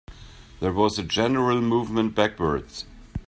There was a general movement backwards.